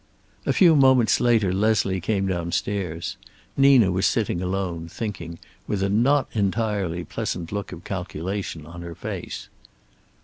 A few moments later Leslie came downstairs. Nina was sitting alone, thinking, with a not entirely pleasant look of calculation on her face.